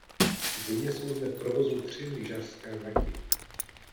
V zimě jsou zde v provozu tři lyžařské vleky.